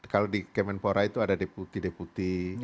kalau di kemenpora itu ada deputi deputi